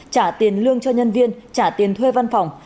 trả tiền lương cho nhân viên trả tiền thuê văn phòng